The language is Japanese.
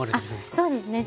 そうですね。